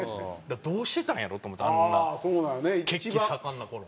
どうしてたんやろ？と思ってあんな血気盛んな頃。